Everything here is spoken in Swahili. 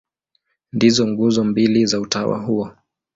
Ndizo nguzo mbili za utawa huo.